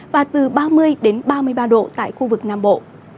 và từ ba mươi ba mươi ba độ tại khu vực nam bộ